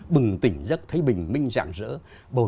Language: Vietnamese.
bừng tỉnh giấc thấy bình minh rạng rỡ